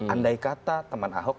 andai kata teman ahok